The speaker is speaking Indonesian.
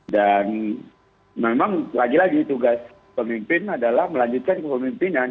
dan memang lagi lagi tugas pemimpin adalah melanjutkan kepemimpinan